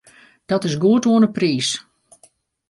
Dat is goed oan 'e priis.